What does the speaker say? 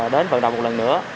đến vận động một lần nữa